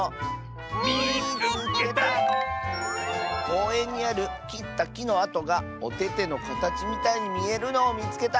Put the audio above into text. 「こうえんにあるきったきのあとがおててのかたちみたいにみえるのをみつけた！」。